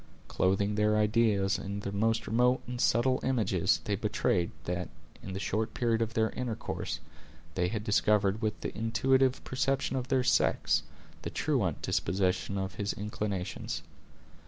Clothing their ideas in the most remote and subtle images, they betrayed, that, in the short period of their intercourse, they had discovered, with the intuitive perception of their sex, the truant disposition of his inclinations.